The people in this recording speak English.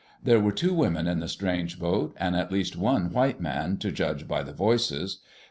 There were two women in the strange boat and at least one white man, to judge by the voices.